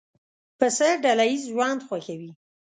پسه ډله ییز ژوند خوښوي.